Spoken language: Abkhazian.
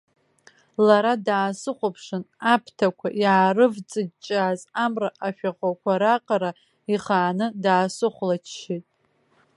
Лара даасыхәаԥшын, аԥҭақәа иаарывҵыҷҷаз амра ашәахәақәа раҟара ихааны даасыхәлаччеит.